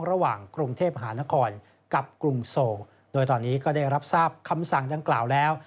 ระหว่างกรุงเทพหานครกับกรุงโซลโดยตอนนี้ก็ได้รับทราบคำสั่งดังกล่าวแล้ว